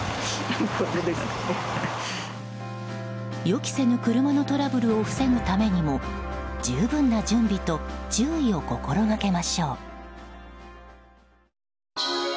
予期せぬ車のトラブルを防ぐためにも十分な準備と注意を心がけましょう。